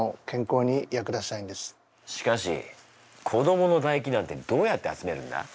しかし子どものだ液なんてどうやって集めるんだ？